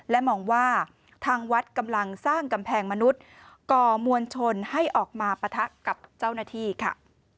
และมองว่าทางวัดกำลังสร้างกำแพงมนุษย์ก่อมวลชนให้ออกมาปะทะกับเจ้าหน้าที่ค่ะ